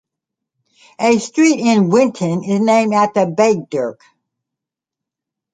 A street in Witten is named after Baedeker.